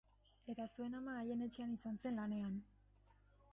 Eta zuen ama haien etxean izan zen lanean.